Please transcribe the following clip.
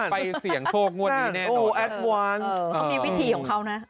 ไปเสี่ยงโทษมั่นดีแน่นอน